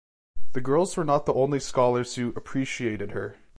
The girls were not the only scholars who “appreciated” her.